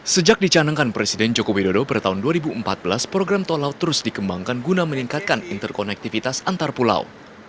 sejak dicanangkan presiden joko widodo pada tahun dua ribu empat belas program tol laut terus dikembangkan guna meningkatkan interkonektivitas antar pulau